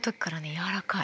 柔らかい。